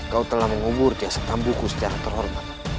kau telah mengumur jasa tambuku secara terhormat